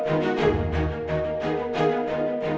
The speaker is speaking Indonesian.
kayaknya gak bisa deh